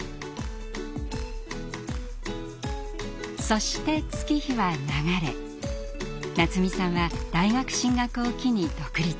そして月日は流れなつみさんは大学進学を機に独立。